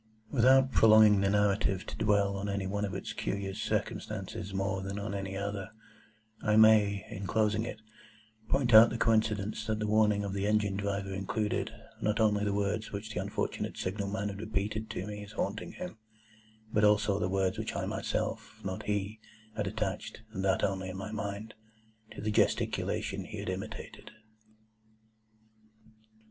Without prolonging the narrative to dwell on any one of its curious circumstances more than on any other, I may, in closing it, point out the coincidence that the warning of the Engine Driver included, not only the words which the unfortunate Signal man had repeated to me as haunting him, but also the words which I myself—not he—had attached, and that only in my own mind, to the gesticulation he had imitated.